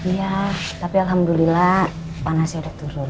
iya tapi alhamdulillah panasnya ada turun